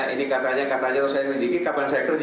ini katanya katanya harus saya mendidiki kapan saya kerjakan gitu